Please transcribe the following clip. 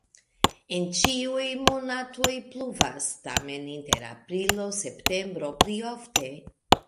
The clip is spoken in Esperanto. En ĉiuj monatoj pluvas, tamen inter aprilo-septembro pli ofte.